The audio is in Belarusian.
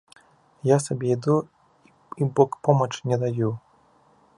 Я сабе іду і богпомач не даю.